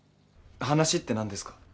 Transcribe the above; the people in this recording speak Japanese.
話って何ですか？